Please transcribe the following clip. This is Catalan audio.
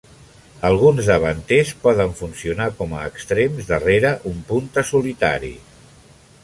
Alguns davanters poden funcionar com a extrems darrere un punta solitari.